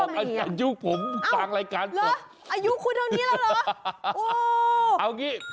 คุณเคยได้พูดปอนดหรอปอนดหาและยุคคุณเห็นว่าอะไรกันแล้วเหรอ